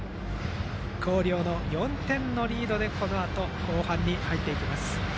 広陵の４点リードでこのあと、後半に入っていきます。